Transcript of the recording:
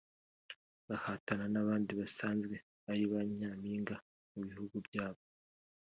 bahatana n’abandi basanzwe ari ba nyampinga mu bihugu byabo